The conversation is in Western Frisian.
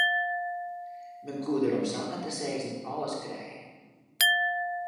Men koe der om samar te sizzen alles krije.